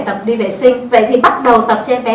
tập đi vệ sinh vậy thì bắt đầu tập cho em bé